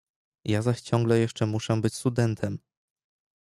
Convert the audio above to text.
"Ja zaś ciągle jeszcze muszę być studentem!"